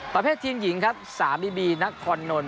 ประเภททีมหญิงครับสามีบีนักคอนนท์